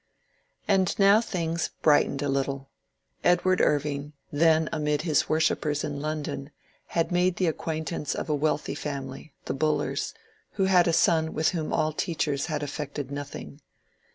[And now things brightened a little. Edward Irving, then amid his worshippers in London, had made the acquaintance of a wealthy family, the Bullers, who had a son with whom all CARLYLE AND DE QUINCEY 101 teachers had effected nothiDg.